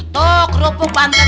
tuh kerupuk bantet